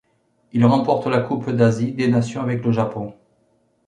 Il remporte la Coupe d'Asie des nations avec le Japon.